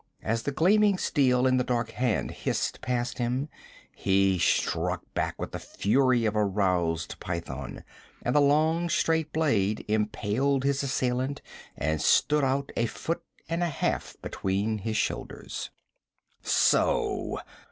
As the gleaming steel in the dark hand hissed past him, he struck back with the fury of a roused python, and the long straight blade impaled his assailant and stood out a foot and a half between his shoulders. 'So!'